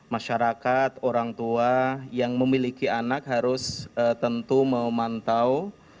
masyarakat orang tua yang memiliki anak harus tentu memantau